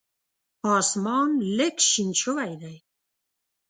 اسمان لږ شین شوی دی .